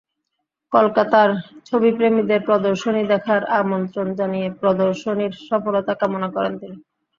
কলকাতার ছবিপ্রেমীদের প্রদর্শনী দেখার আমন্ত্রণ জানিয়ে প্রদর্শনীর সফলতা কামনা করেন তিনি।